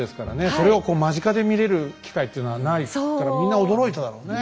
それをこう間近で見れる機会っていうのはないからみんな驚いただろうね。